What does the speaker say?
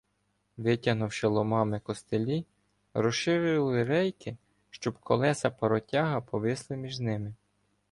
Витягнувши ломами "костилі", розширили рейки — щоб колеса паротяга повисли між ними.